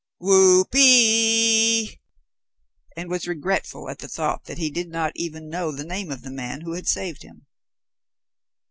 Whoopee!" and was regretful at the thought that he did not even know the name of the man who had saved him.